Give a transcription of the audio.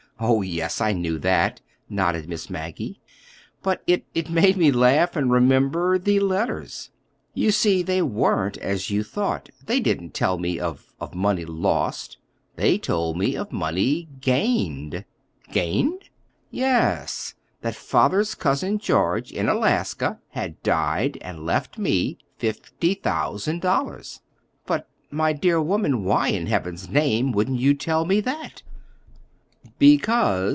"Oh, yes, I knew that," nodded Miss Maggie. "But it—it made me laugh and remember—the letters. You see, they weren't as you thought. They didn't tell me of—of money lost. They told me of money—gained." "Gained?" "Yes. That father's Cousin George in Alaska had died and left me—fifty thousand dollars." "But, my dear woman, why in Heaven's name wouldn't you tell me that?" "Because."